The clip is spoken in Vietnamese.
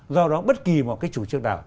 do đó bất kỳ một cái chủ trương nào